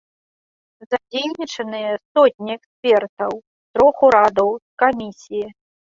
Задзейнічаныя сотні экспертаў з трох урадаў, з камісіі.